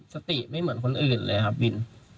สติไม่เหมือนคนอื่นเลยครับวิน